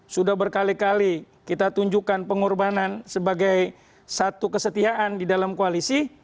sudah berkali kali kita tunjukkan pengorbanan sebagai satu kesetiaan di dalam koalisi